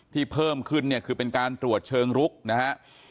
เพิ่มขึ้นเนี่ยคือเป็นการตรวจเชิงลุกนะฮะ